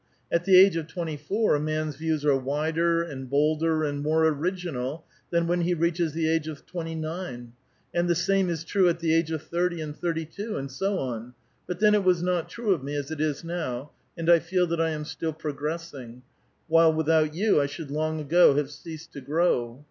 At the age of twenty four a man's views are wider and bolder and more original, than when he reaches the age of twenty nine, and the same is true at the age of thirty and thirty two, and so on ; but then it was not true of me as it is now, and I feel that I am still progressing, while without you I should long ago have ceased to grow.